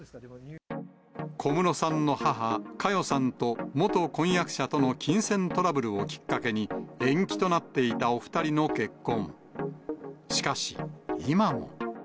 小室さんの母、佳代さんと元婚約者との金銭トラブルをきっかけに、延期となっていたお２人の結婚。